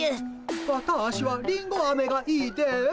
わたしはりんごあめがいいです。